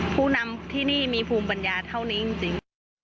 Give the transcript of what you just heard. ผู้นำที่นี่มีภูมิปัญญาเท่านี้จริง